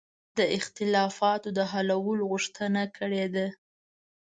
د اختلافاتو د حلولو غوښتنه کړې ده.